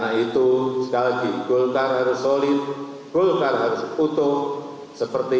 untuk berkongsi tentang hal tersebut